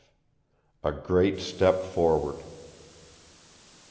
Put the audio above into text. A GREAT STEP FORWARD.